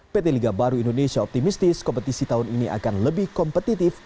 pt liga baru indonesia optimistis kompetisi tahun ini akan lebih kompetitif